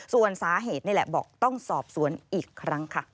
ส่วนสาเหตุนี่แหละบอกต้องสอบสวนอีกครั้งค่ะ